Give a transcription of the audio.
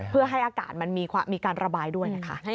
เพื่อให้อากาศมันมีการระบายด้วยนะคะ